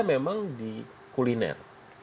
memang di kuliner